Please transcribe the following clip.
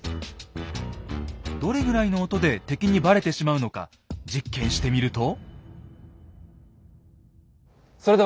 どれぐらいの音で敵にバレてしまうのか実験してみると。